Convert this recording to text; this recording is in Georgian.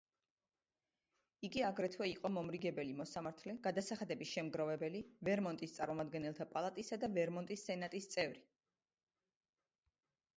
იგი აგრეთვე იყო მომრიგებელი მოსამართლე, გადასახადების შემგროვებელი, ვერმონტის წარმომადგენელთა პალატისა და ვერმონტის სენატის წევრი.